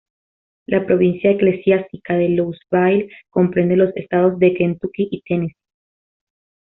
La Provincia Eclesiástica de Louisville comprende los estados de Kentucky y Tennessee.